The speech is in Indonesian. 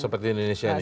seperti indonesia ini